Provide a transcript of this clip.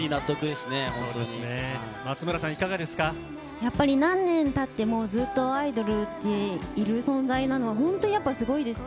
やっぱり、何年たってもずっとアイドルでいる存在っていうのは、本当やっぱすごいですし、